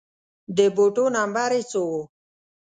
د بوټو نمبر يې څو و